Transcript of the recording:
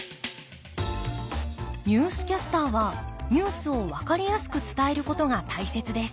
ニュースキャスターはニュースを分かりやすく伝えることが大切です。